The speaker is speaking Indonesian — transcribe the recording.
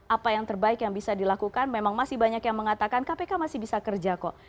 apa yang terbaik yang bisa dilakukan memang masih banyak yang mengatakan kpk masih bisa kerja kok